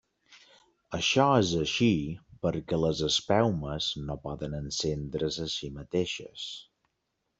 Això és així perquè les espelmes no poden encendre's a si mateixes.